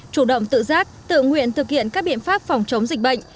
chủ động tự giác tự nguyện thực hiện các biện pháp phòng chống dịch bệnh